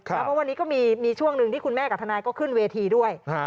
เพราะวันนี้ก็มีช่วงหนึ่งที่คุณแม่กับทนายก็ขึ้นเวทีด้วย